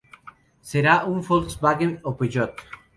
Será un Volkswagen o Peugeot.